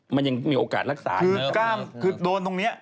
มันยังมีโอกาสรักษา